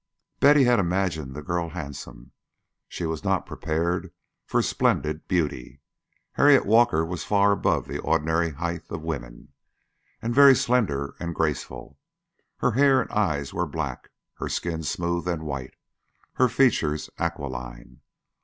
Betty had imagined the girl handsome; she was not prepared for splendid beauty. Harriet Walker was far above the ordinary height of woman, and very slender and graceful. Her hair and eyes were black, her skin smooth and white, her features aquiline.